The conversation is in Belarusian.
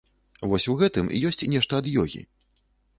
Вось у гэтым ёсць нешта ад ёгі.